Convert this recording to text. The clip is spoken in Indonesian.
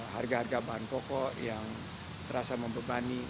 harga harga bahan pokok yang terasa membebani